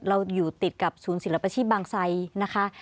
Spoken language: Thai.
เราอยู่ติดกับศูนย์ศิลปชีพบางไซนะคะ